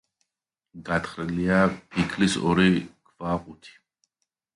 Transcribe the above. გათხრილია ფიქლის ორი ქვაყუთი.